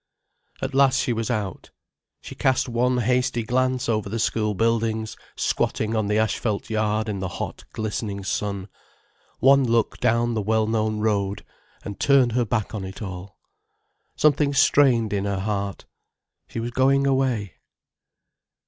At last she was out. She cast one hasty glance over the school buildings squatting on the asphalt yard in the hot, glistening sun, one look down the well known road, and turned her back on it all. Something strained in her heart. She was going away.